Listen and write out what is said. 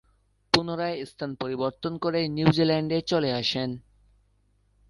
পুনরায় স্থান পরিবর্তন করে নিউজিল্যান্ডে চলে আসেন।